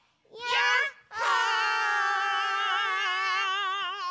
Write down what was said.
やっほ。